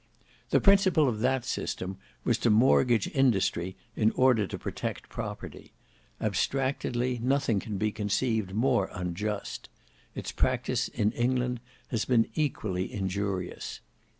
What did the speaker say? The principle of that system was to mortgage industry in order to protect property: abstractedly, nothing can be conceived more unjust; its practice in England has been equally injurious.